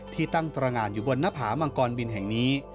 ที่ตั้งตรงานอยู่บนหน้าผามังกรบินแห่งนี้